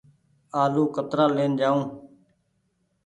آلو ڪترآ لين جآئو۔